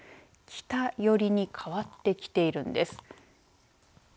北寄りに変わってきているんです。